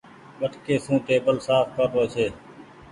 ٻٽڪي سون ٽيبل سآڦ ڪر رو ڇي۔